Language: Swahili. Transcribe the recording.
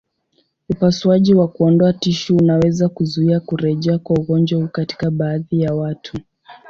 Upasuaji wa kuondoa tishu unaweza kuzuia kurejea kwa ugonjwa huu katika baadhi ya watu.